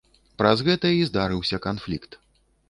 Праз гэта і здарыўся канфлікт.